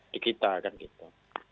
di kita kan gitu